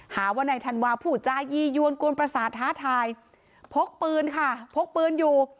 หาว่านายธันวาพูดจายี่ยวนกวนประสาทท้าทายพกปืนค่ะพกปืนอยู่